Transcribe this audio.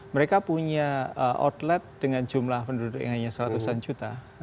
mereka punya outlet dengan jumlah penduduk yang hanya seratusan juta